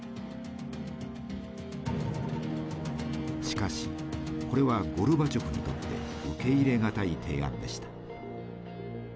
しかしこれはゴルバチョフにとって受け入れがたい提案でした。